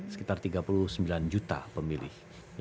sekitar tiga puluh sembilan juta pemilih